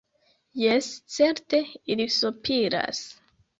Jes, certe ili sopiras.